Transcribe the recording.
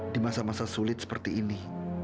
di masa masa sulit seperti ini